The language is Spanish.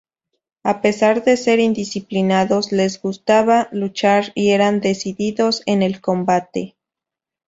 A pesar de ser indisciplinados, les gustaba luchar y eran decididos en el combate.